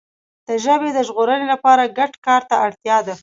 د ژبي د ژغورنې لپاره ګډ کار ته اړتیا ده.